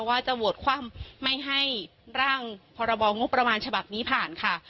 ว่าจะโหวตคว่ำไม่ให้ร่างพรบงบประมาณฉบับนี้ผ่านค่ะ